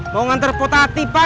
mau ngantar potati pak